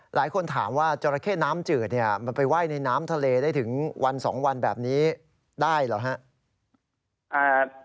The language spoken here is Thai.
หลายคนถามว่าจราเข้น้ำจืดมันไปไหว้ในน้ำทะเลได้ถึงวัน๒วันแบบนี้ได้เหรอครับ